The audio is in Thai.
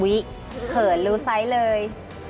อุ๊ยเขินลูกไซส์เลย